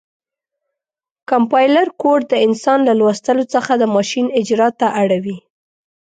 کمپایلر کوډ د انسان له لوستلو څخه د ماشین اجرا ته اړوي.